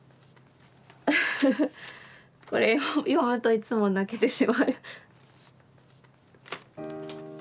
これを読むといつも泣けてしまう。